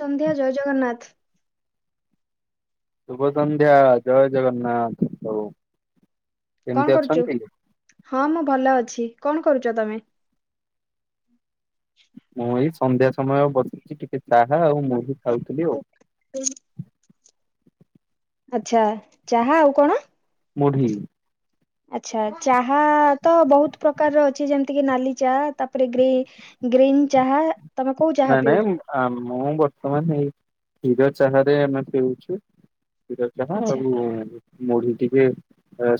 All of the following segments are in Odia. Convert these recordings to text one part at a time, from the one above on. ସନ୍ଧ୍ୟା ଜୟ ଜଗନ୍ନାଥ। ଶୁଭସନ୍ଧ୍ୟା ଜୟ ଜଗନ୍ନାଥ ପ୍ରଭୁ। ହଁ ମୁଁ ଭଲ ଅଛି। କଣ କରୁଛ ତମେ? ମୁଁ ଏଇ ସନ୍ଧ୍ୟା ସମୟ ବସିଛି, ଟିକେ ଚାହା ଆଉ ମୁଢି ଖାଉଥିଲି ଆଉ। [unintelligible] ଆଚ୍ଛା ଚାହା ଆଉ କଣ? ମୁଢ଼ି। ଆଚ୍ଛା ଚାହା ତ ବହୁତ ପ୍ରକାରର ଅଛି, ଯେମିତିକ ନାଲି ଚା ତାପରେ ଗ୍ରେ ଗ୍ରୀନ ଚାହା ତମେ କୋଉ ଚାହା ନାଇଁ ପିଉଛ ନାଇଁ ଆ ମୁଁ ବର୍ତ୍ତମାନେ, କ୍ଷୀର ଚାହାରେ ଆମେ ପିଉଛୁ। କ୍ଷୀର ଚାହା ଆଚ୍ଛା ଆଉ ମୁଢି ଟିକେ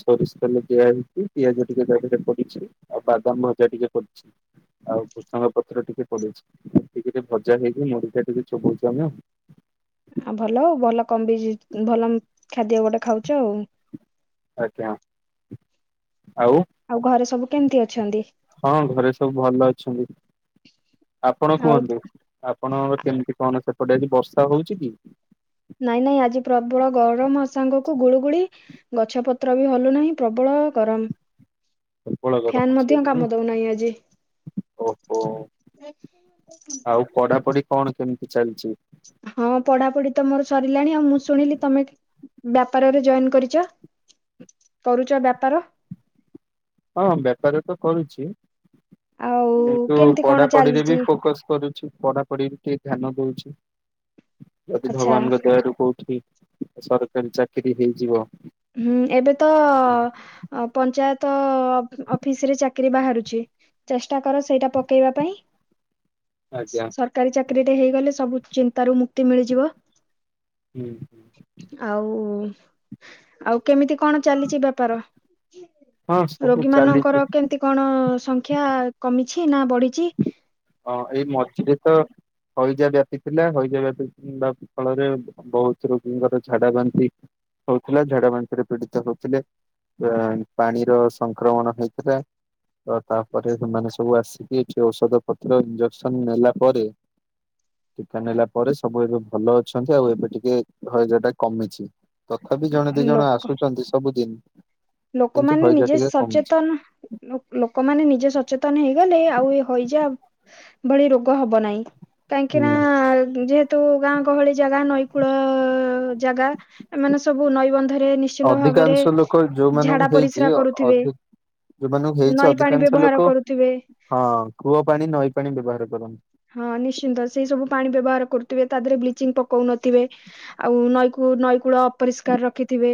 ସୋରିଷ ତେଲ ଦିଆ ହେଇଛି, ପିଆଜ ଟିକେ ତା ଦେହେରେ ପଡିଛି, ଆଉ ବାଦାମ ଭଜା ଟିକେ ପଡିଛି। ଆଉ ଭୃସୁଙ୍ଗ ପତ୍ର ଟିକେ ପଡିଛି, ଏତିକି ରେ ଭଜା ହେଇକି ମୁଢ଼ିଟା ଟିକେ ଚୋବଉଚୁ ଆମେ ଆଉ। ଆଉ ଭଲ, ଆଉ ଭଲ କମ୍ବି ଭଲ ଖାଦ୍ୟ ଗୋଟେ ଖାଉଛ ଆଉ। ଆଜ୍ଞା ଆଉ ଘରେ ସବୁ କେମିତି ଅଛନ୍ତି? ହଁ ଘରେ ସବୁ ଭଲ ଅଛନ୍ତି। ଆପଣ ଆଉ କୁହନ୍ତୁ, ଆପଣଙ୍କର କେମିତି କଣ ସେପଟେ ଆଜି ବର୍ଷା ହଉଛି କି? ନାଇଁ ନାଇଁ ଆଜି ପ୍ରବଳ ଗରମ ସାଙ୍ଗକୁ ଗୁଳୁଗୁଳି ଗଛ ପତ୍ର ବି ହଲୁ ନାହିଁ, ପ୍ରବଳ ଗରମ। ପ୍ରବଳ ଫ୍ୟାନ ମଧ୍ୟ କାମ ଦଉନାହିଁ ଆଜି। ଓ ହୋ ଆଉ ପଢାପଢି କଣ କେମିତି ଚାଲିଛି? ହଁ ପଢାପଢି ତ ମୋର ସରିଲାଣି, ଆଉ ମୁଁ ଶୁଣିଲି ତମେ ବ୍ୟାପାରରେ ଜଏନ୍ କରିଚ, କରୁଚ ବ୍ୟାପାର। ହଁ ବେପାର ତ କରୁଚି। ଆଉ କିନ୍ତୁ କେମିତି କଣ ପଢାପଢିରେ ବି ଚାଲିଛି ଫୋକସ କରୁଛି। ପଢା ପଢି ଟିକେ ଧ୍ୟାନ ଦଉଛି, ଯଦି ଆଚ୍ଛା ଭଗବାନଙ୍କ ଦୟାରୁ କୋଉଠି ସରକାରୀ ଚାକିରି ହେଇଯିବ। ହୁଁ ଏବେ ତ ଆ ପଞ୍ଚାୟତ ଅଫିସରେ ଚାକିରି ବାହାରୁଛି। ଚେଷ୍ଟା କର ସେଇଟା ପକେଇବା ପାଇଁ। ଆଜ୍ଞା ସରକାରୀ ଚାକିରିଟେ ହେଇଗଲେ, ସବୁ ଚିନ୍ତାରୁ ମୁକ୍ତି ମିଳିଯିବ। ହୁଁ- ହୁଁ। ଆଉ ଆଉ କେମିତି କଣ ଚାଲିଚି ବେପାର, ହଁ ସବୁ ରୋଗୀ ଚାଲିଛି ମାନଙ୍କର କେମିତି କଣ ସଂଖ୍ୟା କମିଛି ନା ବଢିଚି? ହଁ ଏଇ ମଝିରେ ତ ହଇଜା ବ୍ୟାପି ଥିଲା, ହଇଜା ବ୍ୟାପିବା ଫଳରେ ବହୁତ ରୋଗୀଙ୍କର ଝାଡା ବାନ୍ତି ହଉଥିଲା, ଝାଡା ବାନ୍ତିରେ ପୀଡିତ ହଉଥିଲେ। ଆ ପାଣିର ସଂକ୍ରମଣ ହେଇଥିଲା। ଆଉ ତାପରେ ସେମାନେ ସବୁ ଆସିକି, ଏଠି ଔଷଧପତ୍ର ଇଞ୍ଜେକ୍ସନ ନେଲା ପରେ ଟିକା ନେଲା ପରେ ସବୁ ଏବେ ଭଲ ଅଛନ୍ତି, ଆଉ ଏବେ ଟିକେ ହଇଜାଟା କମିଛି। ତଥାପି ଜଣେ ଦି ଜଣ ଲୋକ ଆସୁଚନ୍ତି ସବୁଦିନ। କିନ୍ତୁ ଲୋକମାନେ ହଇଜା ନିଜେ ଟିକେ କମିଛି। ସଚେତନ ଲୋ ଲୋକମାନେ ନିଜେ ସଚେତନ ହେଇଗଲେ, ଆଉ ଏ ହଇଜା ଭଳି ରୋଗ ହବ ନାହିଁ, କାହିଁକି ନା ହୁଁ। ଯେହେ ତ ଗାଁ ଗହଳି ଜାଗା ନଈକୂଳ ଜାଗା, ଏମାନେ ସବୁ ନଈବନ୍ଧରେ ନିଶ୍ଚିନ୍ତ ଭାବରେ ଅଧିକାଂଶ ଲୋକ ଝାଡା ଯୋଉମାନଙ୍କୁ ପରିସ୍ରା ହେଇଛି କରୁଥିବେ ଅଧି ଯୋଉମାନଙ୍କୁ ହେଇଛି, ନଈ ପାଣି ଅଧିକାଂଶ ବ୍ୟବହାର ଲୋକ କରୁଥିବେ। ହଁ କୂଅ ପାଣି ନଈ ପାଣି ବ୍ୟବହାର କରନ୍ତି। ହଁ ନିଶ୍ଚିନ୍ତ ସେଇ ସବୁ ପାଣି ବ୍ୟବହାର କରୁଥିବେ ତା ଦେହରେ ବ୍ଲିଚିଂ ପକଉନଥିବେ। ଆଉ ନଈକୁ ନଈ କୂଳ ଅପରିଷ୍କାର ରଖିଥିବେ।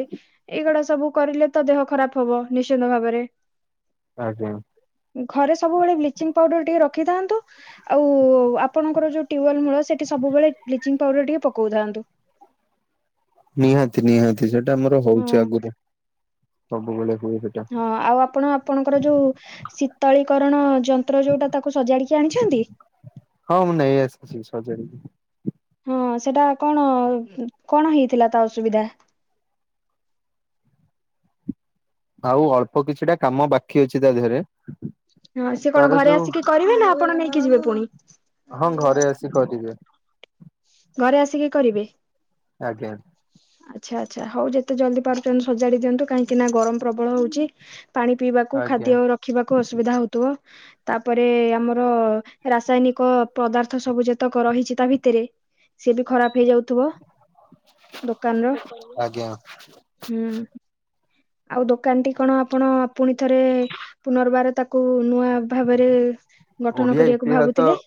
ଏଇଗୁଡା ସବୁ କରିଲେ ତ ଦେହ ଖରାପ ହବ ନିଶ୍ଚିନ୍ତ ଭାବରେ। ଆଜ୍ଞା। ଘରେ ସବୁବେଳେ ବ୍ଲିଚିଂ ପାଉଡର ଟିକେ ରଖିଥାନ୍ତୁ। ଆଉ ଆପଣଙ୍କର ଯଉ ଟ୍ୟୁବଲମୁଳ ସେଟି ସବୁବେଳେ ବ୍ଲିଚିଂ ପାଉଡର ଟିକେ ପକଉଥାଆନ୍ତୁ। ନିହାତି ନିହାତି ସେଟା ଆମର ହଁ ହୋଉଚି ଆଗରୁ ସବୁବେଳେ ହୁଏ ସେଟା। ହଁ ଆଉ ଆପଣ ଆପଣଙ୍କର ଯୋଉ ଶୀତଳୀକରଣ ଯନ୍ତ୍ର ଯୋଉଟା ତାକୁ ସଜାଡିକି ଆଣିଚନ୍ତି। ହଁ ମୁଁ ନେଇ ଆସିଚି ସଜାଡିକି। ହଁ ସେଟା କଣ କଣ ହେଇଥିଲା ତା ଅସୁବିଧା। ଆଉ ଅଳ୍ପ କିଛିଟା କାମ ବାକି ଅଛି ତା ଦେହରେ। ହଁ ସେ କଣ ତାର ଘରେ ଯୋଉ ଆସିକି କରିବେ ନା ଆପଣ ନେଇକି ଯିବେ ପୁଣି। କି କରିବେ। ଘରେ ଆସିକି କରିବେ। ଆଜ୍ଞ। ଆଚ୍ଛା ଆଚ୍ଛା ହଉ ଯେତେ ଜଲ୍ଦି ପାରୁଚନ୍ତି ସଜାଡି ଦିଅନ୍ତୁ କାହିଁକି ନା ଗରମ ପ୍ରବଳ ହୋଉଚି। ପାଣି ପିଇବାକୁ ଆଜ୍ଞା ଖାଦ୍ୟ ରଖିବାକୁ ଅସୁବିଧା ହଉଥିବ। ତାପରେ ଆମର ରାସାୟନିକ ପଦାର୍ଥ ସବୁ ଯେତ୍ ତକ ରହିଚି ତା ଭିତରେ ସେ ବି ଖରାପ ହେଇଯାଉଥିବ। ଦୋକାନ ର ଆଜ୍ଞା ହୁଁ। ଆଉ ଦୋକାନଟି କଣ ଆପଣ ପୁଣି ଥରେ ପୁନର୍ବାର ତାକୁ ନୂଆ ଭାବରେ ଗଠନ ଓଡିଆ କରିବାକୁ ଇତିହାସ ଭାବୁଥିଲେ।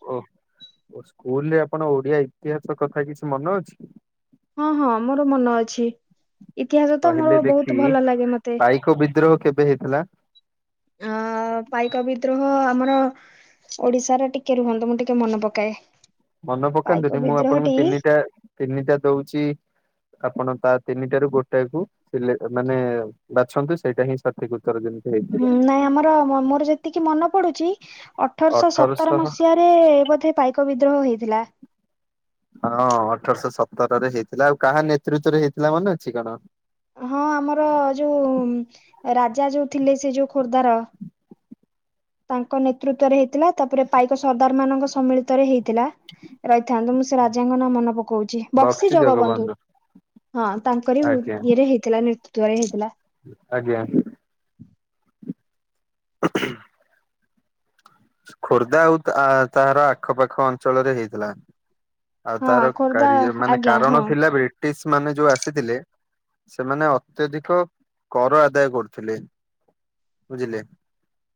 ଓ ସ୍କୁଲ ରେ ଆପଣ ଓଡିଆ ଇତିହାସ କଥା କିଛି ମନେ ଅଛି। ହଁ ହଁ ମୋର ମନ ଅଛି ଇତିହାସ ତ ମୋର କହିଲେ ଦେଖି ବହୁତ ଭଲ ଲାଗେ ମତେ। [unintelligible] ବିଦ୍ରୋହ କେବେ ହେଇଥିଲା। ଅ ପାଇକ ବିଦ୍ରୋହ ଆମର ଓଡିଶାରେ ଟିକେ ରୁହନ୍ତୁ ମୁଁ ଟିକେ ମନେ ପକାଏ। ମନ ପାଇକ ପକାନ୍ତୁନି ମୁଁ ଆପଣଙ୍କୁ ବିଦ୍ରୋହଟି ତିନିଟା ତିନିଟା ଦୋଉଚି। ଆପଣ ତା ତିନିଟା ରୁ ଗୋଟାଏ କୁ ସିଲେ ମାନେ ବାଛନ୍ତୁ ସେଇଟା ହିଁ ସଠିକ ଉତ୍ତର ଜେମି ହୁଁ ନାଇଁ ଆମର ମ ମୋର ଯେତିକି ମନ ପଡୁଚି ଅଠରଶ ସତର ଅଠରଶହ ମସିହା ରେ ବୋଧେ ପାଇକ ବିଦ୍ରୋହ ହେଇଥିଲା। ହଁ ଅଠରଶ ସତର ରେ ହେଇଥିଲା ଆଉ କାହା ନେତୃତରେ ହେଇଥିଲା ମନେ ଅଛି କଣ। ହଁ ଆମର ଯୋଉ ରାଜା ଯୋଉ ଥିଲେ ସେ ଯୋଉ ଖୋର୍ଦ୍ଧାର। ତାଙ୍କ ନେତୃତରେ ହେଇଥିଲା ତାପରେ ପାଇକ ସର୍ଦ୍ଦାର ମାନଙ୍କ ସମ୍ମିଳିତରେ ହେଇଥିଲା ରଇଥାନ୍ତୁ ସେ ରାଜାଙ୍କ ନଁ ମନ ପକ କୋଉଚି ବକ୍ସି ଜଗବନ୍ଧୁ ହଁ ତାଙ୍କରି ଆଜ୍ଞା ଇଏରେ ହେଇଥିଲା ନେତୃତରେ ହେଇଥିଲା। ଆଜ୍ଞା। ଖୋର୍ଦ୍ଧା ଆଉ ତାଆ ତଆର ଆଖପାଖ ଅଞ୍ଚଳରେ ହେଇଥିଲା। ଆଉ ହଁ ତାର ଖୋର୍ଦ୍ଧା କାରିଅ ମାନେ ଆଜ୍ଞା କାରଣ ହଁ ଥିଲାବି ବ୍ରିଟିଶି ମାନେ ଯୋଉ ଆସିଥିଲେ ସେମାନେ ଅତ୍ୟଧିକ କର ଆଦାୟ କରୁଥିଲେ। ବୁଝିଲେ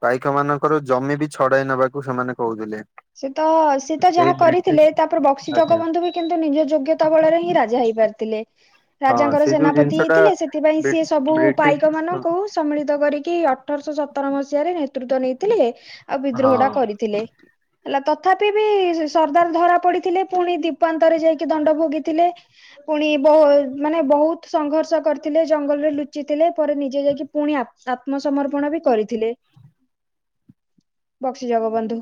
ପାଇକ ମାନଙ୍କର ଜମି ବି ଛଡାଇ ନବାକୁ ସେମାନେ କୋହୁଥିଲେ। ସେ ତ ସି ତ ଯାହା କରିଥିଲେ ତାପରେ ବକ୍ସି ଆଜ୍ଞା ଜଗବନ୍ଧୁ ବି କିନ୍ତୁ ନିଜ ଯୋଗ୍ୟତା ବଳରେ ହିଁ ରାଜା ହେଇ ପାରିଥିଲେ। ହଁ ରାଜାଙ୍କର ସେ ଯୋଉ ଜିନିଷ ସେନାପତି ଟା ହେଇଥିଲେ ସେଥିପାଇଁ ବ୍ରି ସିଏ ସବୁ ବ୍ରିଟିଶ ପାଇକ ମାନଙ୍କୁ ସମ୍ମିଳିତ କରିକି ଅଠରଶ ସତର ମସିହାରେ ନେତୃତ୍ୱ ନେଇଥିଲେ ଆଉ ହଁ ବିଦ୍ରୋହଟା କରିଥିଲେ। ହେଲା ତଥାପି ବି ସର୍ଦ୍ଦାର ଧରା ପଡିଥିଲେ ପୁଣି ଦୀପାନ୍ତରେ ଯାଇକି ଦଣ୍ଡ ଭୋଗିଥିଲେ। ପୁଣି ବହୁ ମାନେ ବହୁତ ସଂଘର୍ଷ କରିଥିଲେ ଜଙ୍ଗଲରେ ଲୁଚିଥିଲେ ପରେ ନିଜେ ଯାଇକି ପୁଣି ଆପ ଆତ୍ମସମର୍ପଣ ବି କରିଥିଲେ। ବକ୍ସି ଯଗ ବନ୍ଧୁ।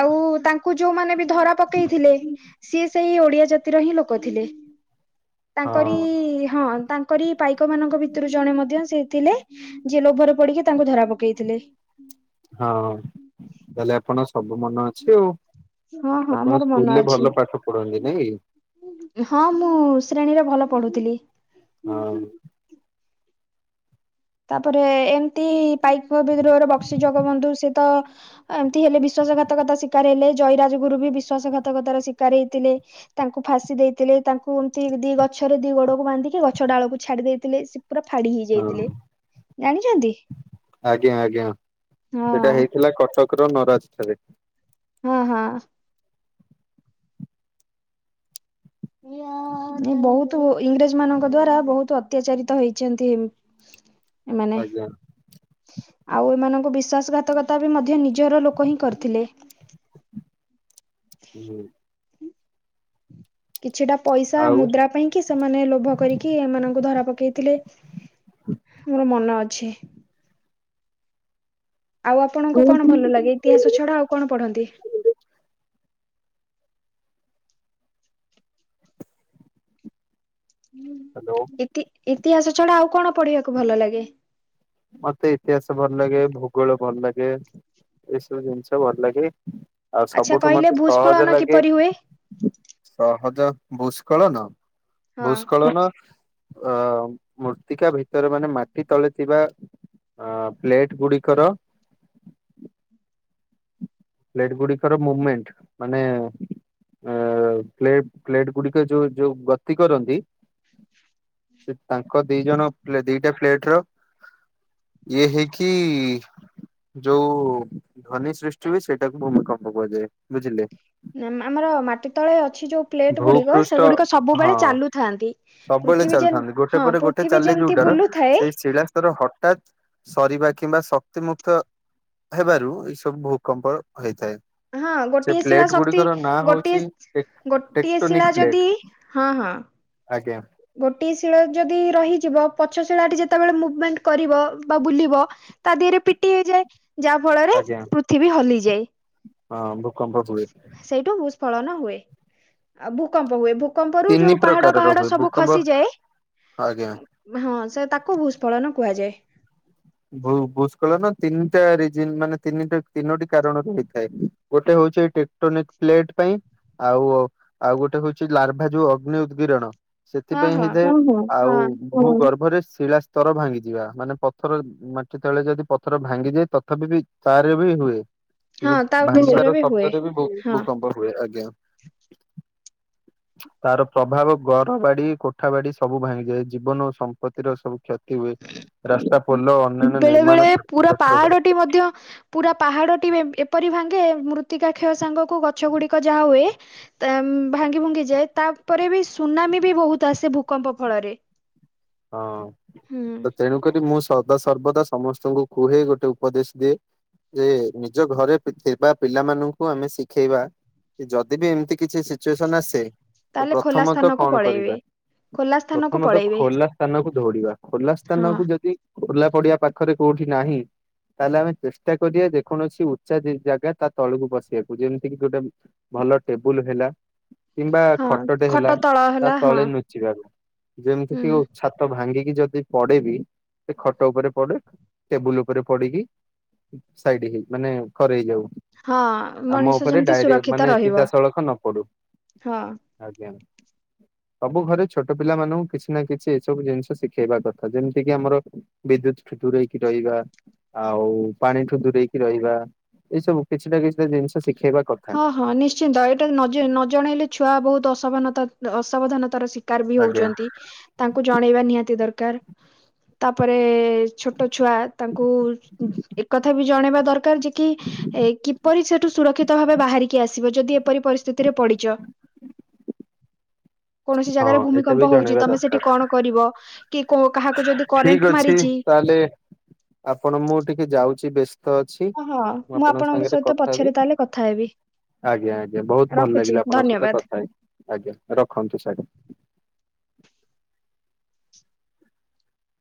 ଆଉ ତାଙ୍କୁ ଯୋଉମାନେ ବି ଧରା ପକେଇଥିଲେ ସିଏ ସେଇ ଓଡିଆ ଜାତିର ହିଁ ଲୋକ ଥିଲେ ତାଙ୍କରି ହଁ ହଁ ତା କରି ପାଇକ ମାନଙ୍କ ଭିତରୁ ଜଣେ ମଧ୍ୟ ସେ ଥିଲେ ଯିଏ ଲୋଭରେ ପଡିକି ତାଙ୍କୁ ଧରା ପକେଇଥିଲେ। ହଁ ତାହେଲେ ଆପଣ ସବୁ ମନେ ଅଛି ଆଉ ହଁ ହଁ ମୋର ଆପଣ ମନ ସ୍କୁଲ ରେ ଅଛି ଭଲ ପାଠ ପଢନ୍ତି ନାଇଁ କି। ହଁ ମୁଁ ଶ୍ରେଣୀରେ ଭଲ ପଢୁଥିଲି। ହଁ। ତାପରେ ଏମତି ପାଇକ ବିଦ୍ରୋହର ବକ୍ସି ଜଗବନ୍ଧୁ ସେ ତ ଏମିତି ହେଲେ ବିଶ୍ଵାସ ଘାତକତା ଶିକାର ହେଲେ ଜୟରାଜ ଗୁରୁ ବିଶ୍ୱାସଘାତକତା ର ଶିକାର ହେଇଥିଲେ। ତାଙ୍କୁ ଫାଶୀ ଦେଇଥିଲେ ତାଙ୍କୁ ଏମତି ଦି ଗଛରେ ଦି ଗୋଡକୁ ବାନ୍ଧିକି ଗଛ ଡାଳକୁ ଛାଡି ଦେଇଥିଲେ। ପୁରା ଫାଡି ହେଇ ହଁ ଯାଇଥିଲେ। ଆଜ୍ଞା ଆଜ୍ଞା ହଁ ସେଟା ହେଇଥିଲା କଟକ। କର ନରାଜ ଠାରେ। ହଁ ହଁ। ବହୁତ ଇଂରେଜ ମାନଙ୍କ ଦ୍ଵାରା ବହୁତ ଅତ୍ୟାଚାରିତ ହେଇଛନ୍ତି। ଏମାନେ ଆଜ୍ଞା ଆଉ ଏମାନଙ୍କୁ ବିଶ୍ୱାସଘାତକତା ବି ମଧ୍ୟ ନି ଜର ଲୋକ ହିଁ କରିଥିଲେ। ହୁଁ। କିଛିଟା ପଇସା ଆଉ ମୁଦ୍ରା ପାଇଁ। କି ସେମାନେ ଲୋଭ କରିକି ଏମାନଙ୍କୁ ଧରା ପକେଇଥିଲେ ମୋର ମନ ଅଛି। ଆଉ ଆପଣଙ୍କୁ କଣ ଭଲ ଲାଗେ ଇତିହାସ ହ୍ୟାଲୋ ଛଡା ଆଉ କଣ ପଢନ୍ତି? ହ୍ଯାଲୋ। ଇତି ଇତିହାସ ଛଡା ଆଉ କଣ ପଢିବାକୁ ଭଲ ଲାଗେ? ମତେ ଇତିହାସ ଭଲ ଲାଗେ ଭୂଗୋଳ ଭଲ ଲାଗେ ଏସବୁ ଜିନିଷ ଭଲ ଲାଗେ। ଆଉ ଆଚ୍ଛା ସବୁଠୁ କହିଲେ ମତେ ସହଜ ଭୂସ୍ଖଳନ ଲାଗେ କିପରି ହୁଏ? ସହଜ ଭୂସ୍କଳନ ହଁ। ଭୂସ୍କଳନ। ଅ ମୂର୍ତ୍ତିକା ଭିତରେ ମାନେ ମାଟି ତଳେ ଥିବା ଅ ପ୍ଲେଟ ଗୁଡିକର ପ୍ଲେଟ ଗୁଡିକର ମୁମେଣ୍ଟ ମାନେ ଅ ପ୍ଲେଟ ପ୍ଲେଟ ଗୁଡିକ ଯଉ ଯଉ ଗତି କରନ୍ତି। ତାଙ୍କ ଦି ଜଣ ପ୍ଳେଟ୍‌ ଦିଟା ପ୍ଲେଟ ର ଇଏ ହେଇକି ଯଉ ଧନୀ ସୃଷ୍ଟି ହୁଏ ସେଇଟାକୁ ଭୂମିକମ୍ପ କୁହାଯାଏ ବୁଝିଲେ। ନା ଆମର ମାଟି ତଳେ ଅଛି ଯୋଉ ପ୍ଲେଟ ଗୁଡିକ ଭୂପୃଷ୍ଠ ସେଗୁଡିକ ହଁ ସବୁବେଳେ ଚାଲୁଥାନ୍ତି। ସବୁବେଳେ ପୃଥିବୀ ଯେ ଚାଲୁଥାନ୍ତି ଗୋଟେ ହଁ ପରେ ଗୋଟେ ପୃଥିବୀ ଚାଲେ ଯେମିତି ଯୋଉଟାର ବୁଲୁଥାଏ ସେଇ ଶିଳା ର ହଠାତ୍ ସରିବା କିମ୍ବା ଶକ୍ତିମୁକ୍ତ ହେବାରୁ ଏଇ ସବୁ ଭୂକମ୍ପ ହେଇଥାଏ। ହଁ ସେ ଗୋଟିଏ ଶିଳା ପ୍ଲେଟ ଶକ୍ତି ଗୁଡିକର ନାଁ ହଉଛି ଗୋଟିଏ ଗୋଟିଏ ଟେକ୍ଟୋନିକ ଶିଳା ପ୍ଲେଟ ଯଦି ହଁ ହଁ। ଆଜ୍ଞା। ଗୋଟିଏ ଶିଳା ଯଦି ରହିଯିବ ପଛ ଶିଳାଟି ଯେତେବେଳେ ମୁଭମେଣ୍ଟ କରିବ ବା ବୁଲିବ ତା ଦିରେ ପିଟି ହେଇଯାଏ। ଯାହା ଫଳରେ ଆଜ୍ଞା। ପୃଥିବୀ ହଲିଯାଏ। ହଁ ଭୂକମ୍ପ ହୁଏ ସେଇଠୁ ଭୂସ୍ଫଳନ ହୁଏ ଆଉ ଭୂକମ୍ପ ହୁଏ ଭୂକମ୍ପରୁ ତିନି ଯୋଉ ପାହାଡ ପ୍ରକାରର ପାହାଡ ହୁଏ ସବୁ ଭୂକମ୍ପ ଖସିଯାଏ ଆଜ୍ଞା। ହଁ ସେ ତାକୁ ଭୂସ୍ଫଳନ କୁହାଯାଏ। ଭୁ ଭୂସ୍କଳନ ତିନିଟା ରିଜିନି ମାନେ ତିନିଟା ତିନୋଟି କାରଣ ରୁ ହେଇଥାଏ। ଗୋଟେ ହଉଚି ଟେଟୋନିକ୍ ପ୍ଲେଟ ପାଇଁ। ଆଉ ଆଉ ଗୋଟେ ହଉଛି ଲାର୍ଭା ଯୋଉ ଅଗ୍ନି ଉଦ୍ଗିରଣ। ହଁ ସେଥିପାଇଁ ହଁ ହେଇଥାଏ ଆଉ ହଁ ଭୂ ଗର୍ଭରେ ଶିଳା ସ୍ତର ଭାଙ୍ଗି ଯିବା ମାନେ ପ ପଥର ମାଟି ତଳେ ଯଦି ପଥର ଭାଙ୍ଗିଯାଏ ତଥାପି ବି ତାର ବି ହୁଏ। ସେ ହଁ ଯୋଉ ତା ଉଦ୍ଦେଶ୍ୟରେ ଭାଙ୍ଗିବାର ବି ହୁଏ ଶବ୍ଦରେ ବି ଭୂ ହଁ। ଭୂକମ୍ପ ହୁଏ ଆଜ୍ଞା। ତାର ପ୍ରଭାବ ଘର ବାଡି କୋଠା ବାଡି ସବୁ ଭାଙ୍ଗିଯାଏ ଜୀବନ ଓ ସମ୍ପତ୍ତି ର ସବୁ କ୍ଷତି ହୁଏ। ରାସ୍ତା ପୋଲ ଅନ୍ୟାନ୍ୟ ବେଳେ ନିର୍ମାଣ ବେଳେ ପୁରା କ୍ଷତିଗ୍ରସ୍ତ ହୁଏ ପାହାଡଟି ମଧ୍ୟ ପୁରା ପାହାଡ଼ଟି ଏମ୍ ଏପରି ଭାଙ୍ଗେ ମୃତ୍ତିକା କ୍ଷୟ ସାଙ୍ଗକୁ ଗଛ ଗୁଡ଼ିକ ଯାହା ହୁଏ ଭାଙ୍ଗି ଭୁଙ୍ଗି ଯାଏ ତାପରେ ବି ସୁନାମି ବି ବହୁତ ଆସେ ଭୂକମ୍ପ ଫଳରେ। ହଁ ହୁଁ ତ ତେଣୁକରି ମୁଁ ସ ସଦା ସର୍ବଦା ସମସ୍ତଙ୍କୁ କୁହେଇ ଗୋଟେ ଉପଦେଶ ଦିଏ ଯେ ନିଜ ଘରେ ଥିବା ପିଲାମାନଙ୍କୁ ଆମେ ଶିଖେଇବା। ଯଦି ବି ଏମିତି କିଛି ସି ସିଚୁଏସନ୍ ଆସେ ତାହେଲେ ଖୋଲା ପ୍ରଥମତଃ ସ୍ଥାନକୁ କଣ ପଳେଇବେ କରିବା ଖୋଲା ସ୍ଥାନକୁ ପ୍ରଥମତଃ ପଳେଇବେ ଖୋଲା ସ୍ଥାନକୁ ଦୌଡିବା ଖୋଲା ହଁ ସ୍ଥାନକୁ ଯଦି ଖୋଲା ପଡିଆ ପାଖରେ କୋଉଠି ନାହିଁ। ତାହେଲେ ଆମେ ଚେଷ୍ଟା କରିବା ଯେକୌଣସି ଉଚ୍ଚା ଜେ ଜାଗା ତା ତଳକୁ ବସିବାକୁ ଯେମିତିକି ଗୋଟେ ଉଁ ଭଲ ଟେବୁଲ୍ ହେଲା। କିମ୍ବା ହଁ ଖଟଟେ ଖଟ ହେଲା ତଳ ତା ହେଲା ହଁ ତଳେ ନୁଚିବାକୁ ଯେମିତି ହୁଁ କି ଛାତ ଭାଙ୍ଗିକି ଯଦି ପଡେ ବି ସେ ଖଟ ଉପରେ ପଡେ ଟେବୁଲ୍ ଉପରେ ପଡିକି ସାଇଡ୍ ହେଇ ମାନେ କରେଇ ହେଇଯାଉ। ହଁ ଆମ ମଣିଷ ଉପରେ ଯେମିତି ଡାଇରେକ୍ଟ୍ ସୁରକ୍ଷିତ ମାନେ ରହିବ ସିଧାସଳଖ ନ ପଡୁ। ହଁ ଆଜ୍ଞା ଆଜ୍ଞା ସବୁ ଘରେ ଛୋଟ ପିଲା ମାନଙ୍କୁ କିଛି ନା କିଛି ସବୁ ଜିନିଷ ଶିଖେଇବା କଥା ଯେମିତି କିି ଆମର ବିଦ୍ୟୁତ୍ ଠୁ ଦୁରେଇ କି ରହିବା। ଆଉ ପାଣିଠୁ ଦୂରେଇକି ରହିବା ଏଇ ସବୁ କିଛିଟା କିଛିଟା ଜିନିଷ ଶିଖେଇବା। କଥା ହଁ ହଁ ନିଶ୍ଚିନ୍ତ ଏଇଟା ନ ଜ ଜଣେଇଲେ ଛୁଆ ବହୁତ ଅସାବନତା ଅସାବଧାନତାର ଶି କାର ବି ଆଜ୍ଞା ହଉଛନ୍ତି ତାଙ୍କୁ ଜଣେଇବା ନିହାତି ଦରକାର ତାପରେ ସେ ଛୋଟ ଛୁଆ ତାଙ୍କୁ ଏକଥା ବି ଜଣେଇବା ଦରକାର ଯେ କି ଏଇ କିପରି ସେଠୁ ସୁରକ୍ଷିତ ଭାବେ ବାହାରିକି ଆସିବେ ଯଦି ଏପରି ପରିସ୍ଥିତିରେ ପଡିଛ। କୌଣସି ହଁ ଜାଗାରେ ଏଇଟା ବି ଭୂମିକମ୍ପ ହଉଛି ଜଣେଇବା ତମେ ଦରକାର। ସେଠି କଣ କରିବ? କି କୋ କାହାକୁ ଯଦି ଠିକ କରେଣ୍ଟ୍ ଅଛି ମାରିଛି ତାହେଲେ ଆପଣ ମୁଁ ଟିକେ ଯାଉଛି ବେସ ସ୍ତ ଅଛି ହଁ ହଁ ମୁଁ ଆପଣଙ୍କ ସାଙ୍ଗରେ ସହିତ କଥା ପଛରେ ହେବି। ତାହେଲେ କଥା ହେବି ଆଜ୍ଞା ଆଜ୍ଞା ବହୁତ ଭଲ ରଖୁଛି ଲାଗିଲା ଆପଣଙ୍କ ସହିତ ଧନ୍ୟବାଦ କଥା ହେଇକି ଆଜ୍ଞା ରଖନ୍ତୁ ସାର୍।